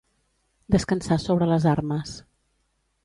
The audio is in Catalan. Descansar sobre les armes.